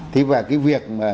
thế và cái việc